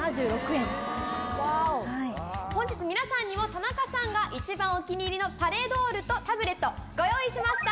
本日皆さんにも田中さんが一番お気に入りのパレドールとタブレットご用意しました。